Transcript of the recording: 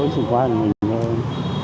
chủ quan lỗi chủ quan